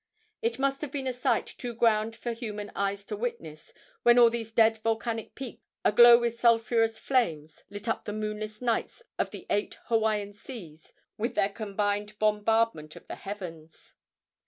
It must have been a sight too grand for human eyes to witness when all these dead volcanic peaks, aglow with sulphurous flames, lit up the moonless midnights of the eight Hawaiian seas with their combined bombardment of the heavens!